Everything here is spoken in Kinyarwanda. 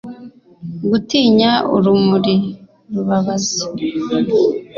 Gutinya urumuri rubabaza